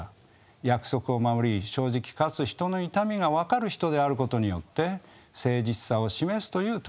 約束を守り正直かつ人の痛みが分かる人であることによって誠実さを示すという特徴。